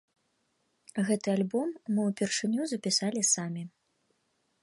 Гэты альбом мы ўпершыню запісалі самі.